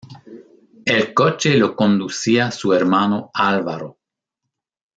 El coche lo conducía su hermano Álvaro.